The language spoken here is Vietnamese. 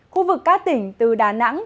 khu vực các tỉnh từ đà nẵng